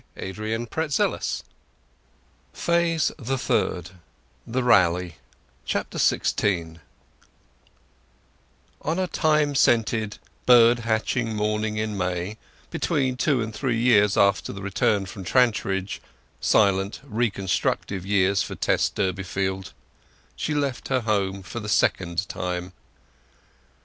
End of Phase the Second Phase the Third: The Rally XVI On a thyme scented, bird hatching morning in May, between two and three years after the return from Trantridge—silent, reconstructive years for Tess Durbeyfield—she left her home for the second time.